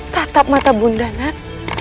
tatap mata bunda nak